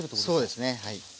そうですねはい。